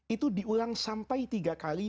itu diulang sampai tiga kali